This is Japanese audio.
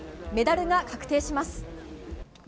メダルが確定します。